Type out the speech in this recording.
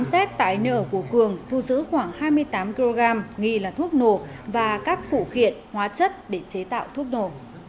bên ở của cường thu giữ khoảng hai mươi tám kg nghi là thuốc nổ và các phủ khiện hóa chất để chế tạo thuốc nổ